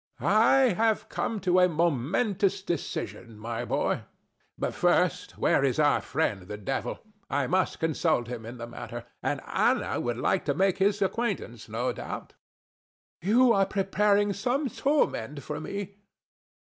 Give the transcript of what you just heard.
THE STATUE. I have come to a momentous decision, my boy. But first, where is our friend the Devil? I must consult him in the matter. And Ana would like to make his acquaintance, no doubt. ANA. You are preparing some torment for me.